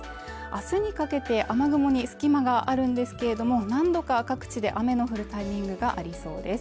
明日にかけて雨雲に隙間があるんですけれども何度か各地で雨の降るタイミングがありそうです。